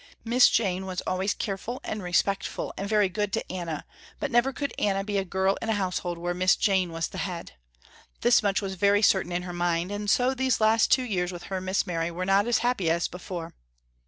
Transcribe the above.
Miss Jane was always careful and respectful and very good to Anna, but never could Anna be a girl in a household where Miss Jane would be the head. This much was very certain in her mind, and so these last two years with her Miss Mary were not as happy as before.